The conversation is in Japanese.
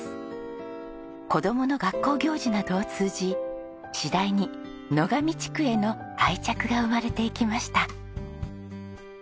子供の学校行事などを通じ次第に野上地区への愛着が生まれていきました。